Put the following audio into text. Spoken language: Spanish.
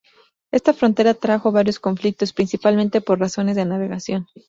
Esta frontera trajo varios conflictos, principalmente por razones de navegación.